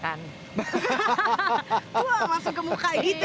tuang langsung ke muka gitu ya